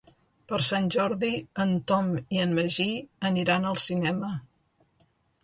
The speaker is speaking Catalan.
Per Sant Jordi en Tom i en Magí aniran al cinema.